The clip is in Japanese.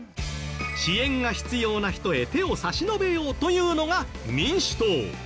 支援が必要な人へ手を差し伸べようというのが民主党。